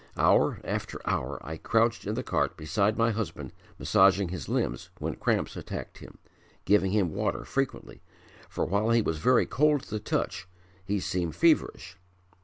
Hour after hour I crouched in the cart beside my husband massaging his limbs when cramps attacked him, giving him water frequently, for while he was very cold to the touch, he seemed feverish.